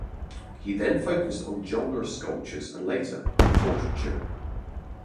He then focused on genre sculptures and later on portraiture.